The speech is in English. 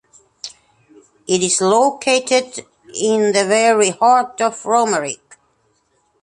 It is located in the very heart of Romerike.